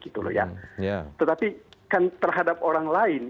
tetapi kan terhadap orang lain